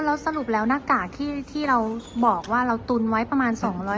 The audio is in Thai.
แล้วสรุปแล้วหน้ากากที่เราบอกว่าเราตุนไว้ประมาณ๒๐๐